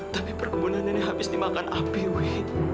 tapi perkebunan nenek habis dimakan api wi